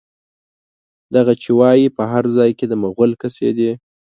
دغه چې وايي، په هر ځای کې د مغول قصيدې